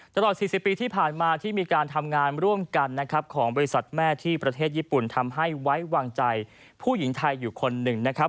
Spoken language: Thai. ตลอด๔๐ปีที่ผ่านมาที่มีการทำงานร่วมกันนะครับของบริษัทแม่ที่ประเทศญี่ปุ่นทำให้ไว้วางใจผู้หญิงไทยอยู่คนหนึ่งนะครับ